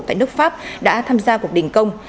tại nước pháp đã tham gia cuộc đình công